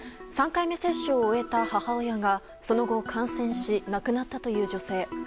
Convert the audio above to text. ３回目接種を終えた母親がその後、感染し亡くなったという女性。